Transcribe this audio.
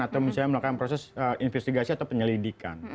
atau misalnya melakukan proses investigasi atau penyelidikan